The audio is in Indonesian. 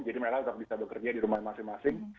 jadi mereka bisa bekerja di rumah masing masing